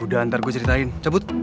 aduh gue mau ceritain cabut